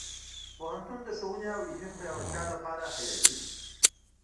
پوهنتون د ښوونې او علمي پیاوړتیا لپاره حیاتي دی.